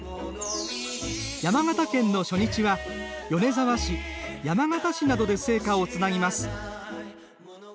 山形県の初日は米沢市、山形市などで聖火をつなぎます。